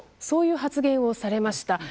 そういう発言をされました。